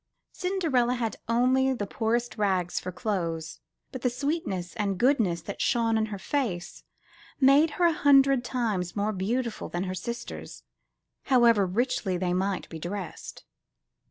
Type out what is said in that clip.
Cinderella had only 165 MY BOOK HOUSE the poorest rags for clothes, but the sweetness and goodness that shone in her face, made her a hundred times more beautiful than her sisters, however richly they might be dressed.